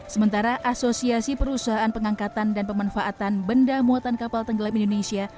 sementara asosiasi perusahaan pengangkatan dan pemanfaatan benda muatan kapal tenggelam indonesia